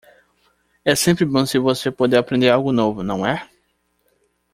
É sempre bom se você pode aprender algo novo, não é?